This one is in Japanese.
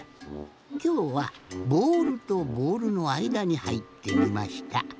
きょうはボールとボールのあいだにはいってみました。